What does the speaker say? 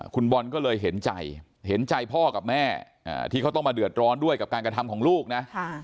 คุณบอลก็เลยเห็นใจเห็นใจพ่อกับแม่ที่เขาต้องมาเดือดร้อนด้วยกับการกระทำของลูกนะ